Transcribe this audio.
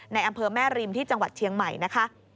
อำเภอแม่ริมที่จังหวัดเชียงใหม่นะคะ